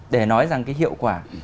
để nói rằng cái hiệu quả